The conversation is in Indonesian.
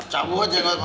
cabut aja gak mau